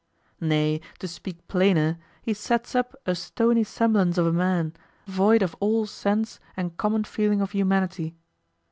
Nay, to speak plainer, he sets up a stony semblance of a man, void of all sense and common feeling of humanity.